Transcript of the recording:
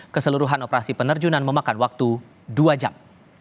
keseluruhan operasi penerjunan memakan waktu dua jam